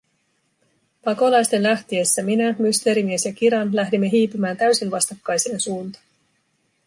Pakolaisten lähtiessä, minä, Mysteerimies ja Kiran lähdimme hiipimään täysin vastakkaiseen suuntaan: